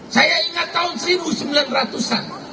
saya ingat tahun seribu sembilan ratus an